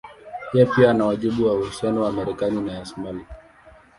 Yeye pia ana wajibu kwa uhusiano wa Marekani na Somalia.